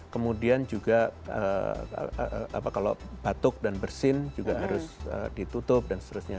kemudian juga kalau batuk dan bersin juga harus ditutup dan seterusnya